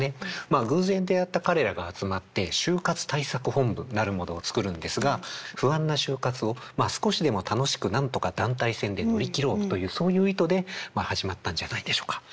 偶然出会った彼らが集まって就活対策本部なるものを作るんですが不安な就活を少しでも楽しくなんとか団体戦で乗り切ろうというそういう意図で始まったんじゃないでしょうか。